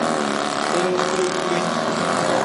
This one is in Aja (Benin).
Enuxwlexwle.